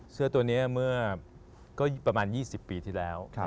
เสื้อตัวนี้เมื่อก็ประมาณ๒๐ปีที่แล้ว